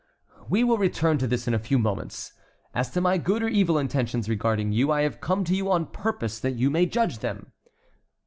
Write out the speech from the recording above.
"We will return to this in a few moments. As to my good or evil intentions regarding you, I have come to you on purpose that you may judge them."